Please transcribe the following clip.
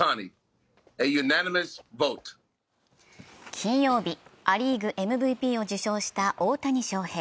金曜日、ア・リーグＭＶＰを受賞した大谷翔平。